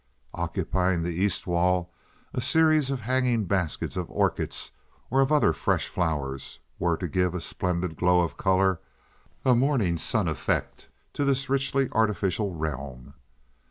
Occupying the east wall a series of hanging baskets of orchids, or of other fresh flowers, were to give a splendid glow of color, a morning sun effect, to this richly artificial realm.